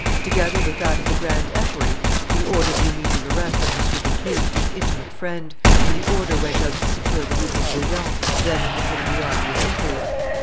Together with that of the grand equerry he ordered the immediate arrest of M. de Thou, his intimate friend; and the order went out to secure the Duke of Bouillon, then at the head of the army of Italy.